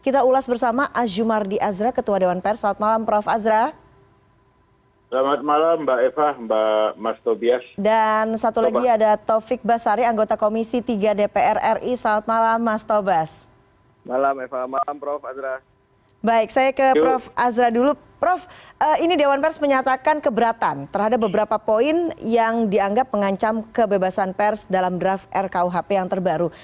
dalam draft rkuhp yang terbaru